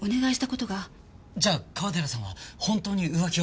じゃあ川寺さんは本当に浮気を？